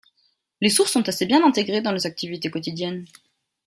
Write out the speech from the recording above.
Les sourds sont assez bien intégrés dans les activités quotidiennes.